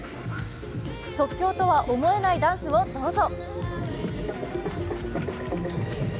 即興とは思えないダンスをどうぞ。